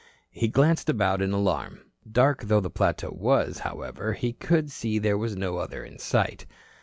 He glanced about in alarm. Dark though the plateau was, however, he could see there was no other in sight.